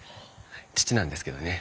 父なんですけどね。